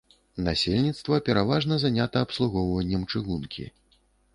Насельніцтва пераважна занята абслугоўваннем чыгункі.